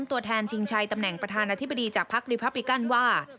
ตัวแทนชิงชัยตำแหน่งประธานาธิบดีจากพักรีพับปิกันว่า